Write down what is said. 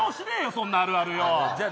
そんなあるある。